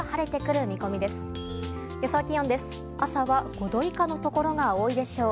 朝は５度以下のところが多いでしょう。